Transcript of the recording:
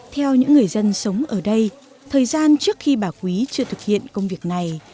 theo những người dân sống ở đây thời gian trước khi bà quý chưa thực hiện công việc này